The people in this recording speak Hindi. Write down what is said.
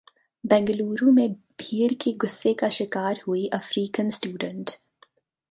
बेंगलुरु में भीड़ के गुस्से का शिकार हुई अफ्रीकन स्टूडेंट